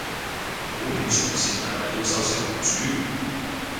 股票長線係咪都收息為主？